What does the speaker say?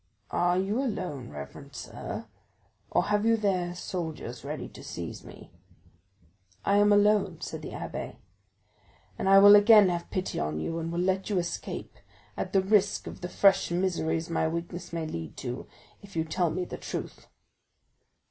"Are you alone, reverend sir, or have you there soldiers ready to seize me?" "I am alone," said the abbé, "and I will again have pity on you, and will let you escape, at the risk of the fresh miseries my weakness may lead to, if you tell me the truth."